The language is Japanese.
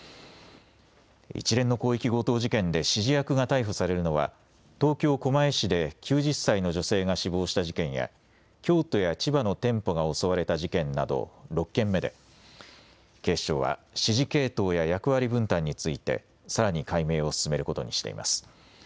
一連の広域強盗事件で指示役が逮捕されるのは、東京・狛江市で９０歳の女性が死亡した事件や、京都や千葉の店舗が襲われた事件など６件目で、警視庁は、指示系統や役割分担について、さらに解明を進めることにしています。